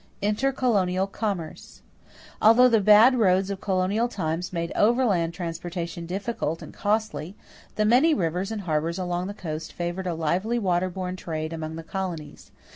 =Intercolonial Commerce.= Although the bad roads of colonial times made overland transportation difficult and costly, the many rivers and harbors along the coast favored a lively water borne trade among the colonies.